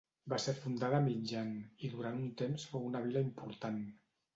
Va ser fundada a mitjan i durant un temps fou una vila important.